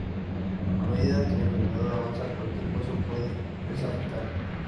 A medida que la enfermedad avanza, cualquier hueso puede verse afectado.